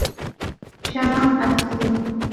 Sharon asesino.